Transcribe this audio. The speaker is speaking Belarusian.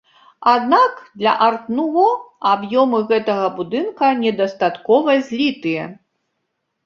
Аднак для арт-нуво аб'ёмы гэтага будынка недастаткова злітыя.